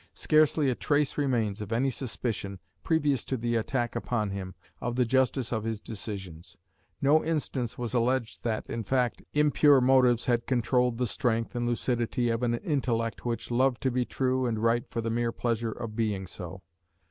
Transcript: Scarcely a trace remains of any suspicion, previous to the attack upon him, of the justice of his decisions; no instance was alleged that, in fact, impure motives had controlled the strength and lucidity of an intellect which loved to be true and right for the mere pleasure of being so.